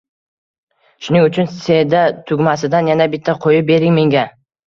shuning uchun Seda tugmasidan yana bitta qo‘yib bering menga